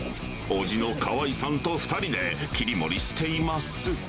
おじの川井さんと２人で切り盛りしています。